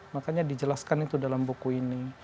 makanya dijelaskan itu dalam buku ini